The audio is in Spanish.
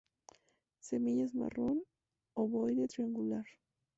Semillas marrón, ovoide-triangular.